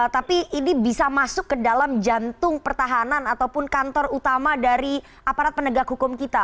tapi ini bisa masuk ke dalam jantung pertahanan ataupun kantor utama dari aparat penegak hukum kita